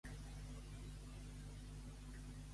Mira'm a veure quan m'he de prendre el Maxalt.